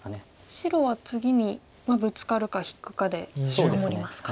白は次にブツカるか引くかで守りますか。